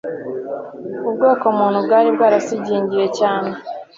ubwoko muntu bwari bwarasigingiye cyane